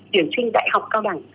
tuyển sinh đại học cao đẳng